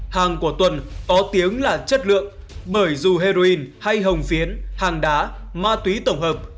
hàng của tuần có tiếng là chất lượng bởi dù heroin hay hồng phiến hàng đá ma túy tổng hợp